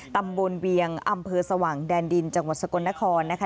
เวียงอำเภอสว่างแดนดินจังหวัดสกลนครนะคะ